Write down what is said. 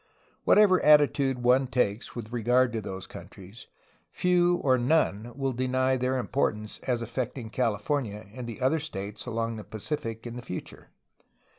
What ever attitude one takes with regard to those countries, few or none will deny their importance as affecting California and the other states along the Pacific in the future.